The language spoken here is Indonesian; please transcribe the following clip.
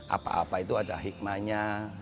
apa apa itu ada hikmahnya